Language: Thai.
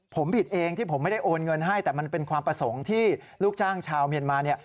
ผมผิดเองที่ผมไม่ได้โอนเงินให้แต่มันเป็นความประสงค์ที่ลูกจ้างชาวเมียนมา